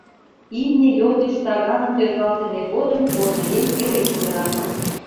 Имне йол гыч таганым тӧргалтыме годым корныеҥ эре кутыра.